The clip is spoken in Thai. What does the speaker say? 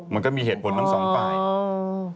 มันก็มีเหตุผลทั้งสองฝ่ายอืม